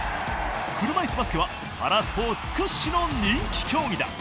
車いすバスケはパラスポーツ屈指の人気競技だ。